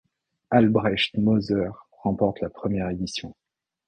Albrecht Moser remporte la première édition.